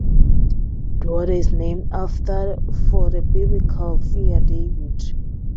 Daud is named for the biblical figure David.